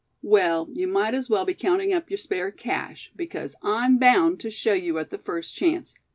"Well, you might as well be counting up your spare cash, because I'm bound to show you at the first chance.